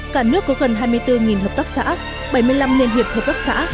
cả nước có gần hai mươi bốn hợp tác xã bảy mươi năm nền huyệt hợp tác xã